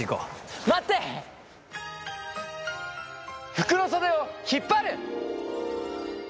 服の袖を引っ張る！